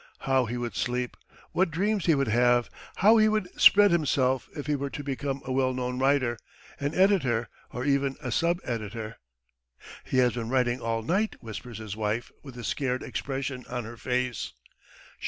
how he would sleep, what dreams he would have, how he would spread himself if he were to become a well known writer, an editor, or even a sub editor! "He has been writing all night," whispers his wife with a scared expression on her face.